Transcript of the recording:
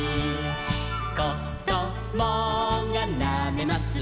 「こどもがなめます